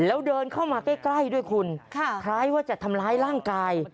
แล้วเดินเข้ามาใกล้ด้วยคุณคล้ายว่าจะทำร้ายร่างกาย